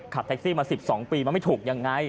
ขับแท็กซี่มา๑๒ปีมันไม่ถูกยังไง